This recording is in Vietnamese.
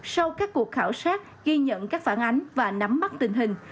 sau các cuộc khảo sát ghi nhận các phản ánh và nắm bắt tình hình